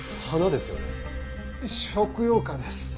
食用花です。